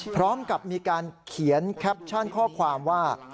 พร้อมกับมีการเขียนแคปชั่นข้อความว่า